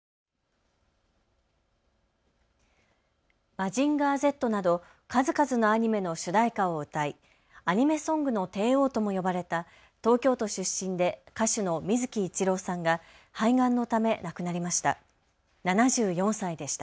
マジンガーＺなど数々のアニメの主題歌を歌いアニメソングの帝王とも呼ばれた東京都出身で歌手の水木一郎さんが肺がんのため亡くなりました。